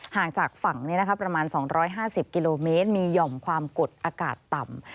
ห่างจากฝั่งประมาณ๒๕๐กิโลเมตรมีหย่อมความกดอากาศต่ำ